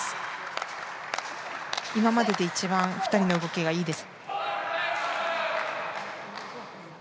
今までで一番ふたりの動きがいいです。